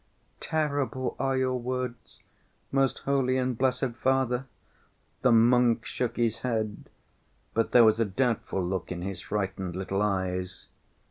"Terrible are your words, most holy and blessed Father," the monk shook his head. But there was a doubtful look in his frightened little eyes.